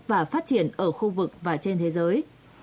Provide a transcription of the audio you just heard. và phát triển ở khu vực và trên thế giới